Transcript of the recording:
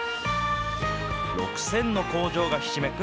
６０００の工場がひしめく